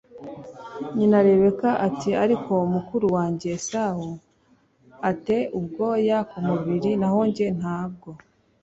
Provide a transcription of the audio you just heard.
nyina rebeka ati ariko mukuru wanjye esawu a te ubwoya ku mubiri naho jye nta bwo